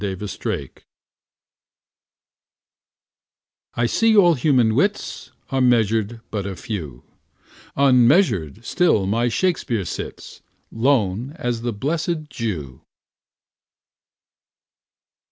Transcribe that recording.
SHAKSPEARE I see all human wits Are measured but a few; Unmeasured still my Shakspeare sits, Lone as the blessed Jew.